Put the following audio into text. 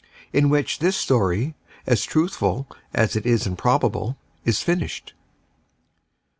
IN WHICH THIS STORY, AS TRUTHFUL AS IT IS IMPROBABLE, IS FINISHED.